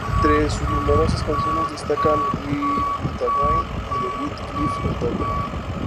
Entre sus numerosas canciones destacan "We'll Meet Again" y "The White Cliffs of Dover".